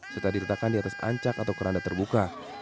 serta diletakkan di atas ancak atau keranda terbuka